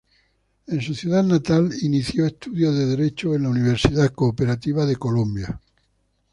En su ciudad natal inició estudios de derecho en la Universidad Cooperativa de Colombia.